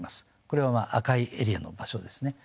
これはまあ赤いエリアの場所ですね。